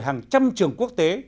hàng trăm trường quốc tế